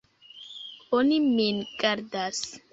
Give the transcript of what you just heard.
Oni min gardas.